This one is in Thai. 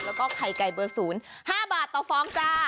แล้วก็ไข่ไก่เบอร์ศูนย์๕บาทต่อฟองค่ะ